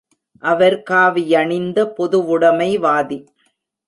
அவர், காவியணிந்த பொதுவுடைமைவாதி.